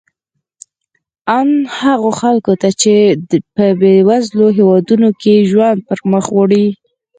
ان هغو خلکو ته چې په بېوزلو هېوادونو کې ژوند پرمخ وړي.